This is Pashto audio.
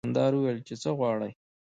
دوکاندار وویل چې څه غواړې.